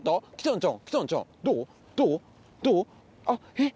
えっ？